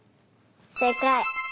せいかい。